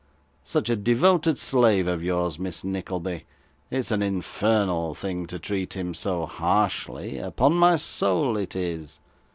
Such a devoted slave of yours, Miss Nickleby it's an infernal thing to treat him so harshly, upon my soul it is.